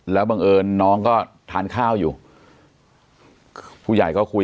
แล้วบังเอิญน้องก็ทานข้าวอยู่ผู้ใหญ่ก็คุยกันอยู่ว่าเออยังไงเดี๋ยว